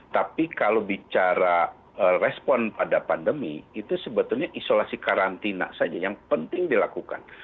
tapi kalau bicara respon pada pandemi itu sebetulnya isolasi karantina saja yang penting dilakukan